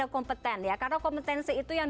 kompeten ya karena kompetensi itu yang